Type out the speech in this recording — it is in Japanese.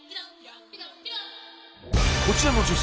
こちらの女性